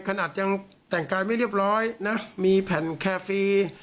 ขนาดยังแต่งกายไม่เรียบร้อยนะมีแผ่นแคฟรี